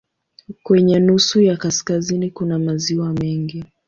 Kwenye nusu ya kaskazini kuna maziwa mengi.